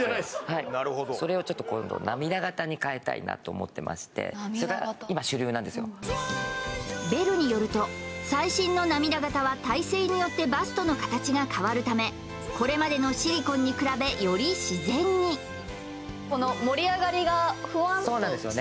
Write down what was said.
はいそれをちょっと今度なと思ってましてそれが今主流なんですよベルによると最新の涙型は体勢によってバストの形が変わるためこれまでのシリコンに比べより自然にそうなんですよね